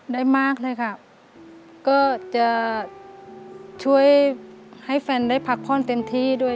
ได้มากเลยค่ะก็จะช่วยให้แฟนได้พักผ่อนเต็มที่ด้วย